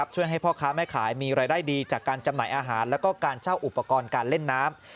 ช่วยให้พ่อค้าแม่ขายมีรายได้ดีจากการจำหน่ายอาหารและการเช่าอุปกรณ์การเล่นน้ำ